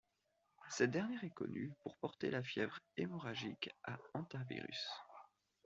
Cette dernière est connue pour porter la fièvre hémorragique à hantavirus.